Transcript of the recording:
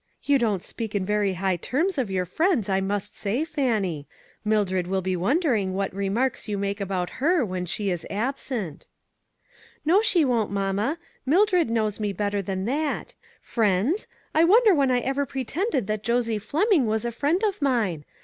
"You don't speak in very high terms of your friends, I must say, Fannie ; Mildred will be wondering what remarks you make about her when she is absent." " No, she won't, mamma ; Mildred knows ENGAGEMENTS. 245 me better than that. Friends? I wonder when I ever pretended that Josie Fleming was a friend of mine